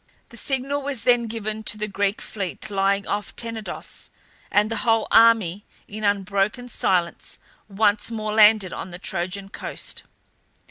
The signal was then given to the Greek fleet lying off Tenedos, and the whole army in unbroken silence once more landed on the Trojan coast.